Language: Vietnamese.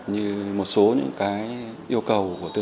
như một số những cái yêu cầu của các đơn vị